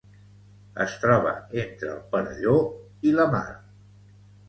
Es troba entre el Perelló i la mar.